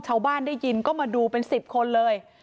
ชาวบ้านได้ยินก็มาดูเป็น๑๐คนเลย